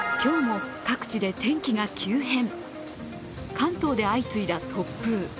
関東で相次いだ突風。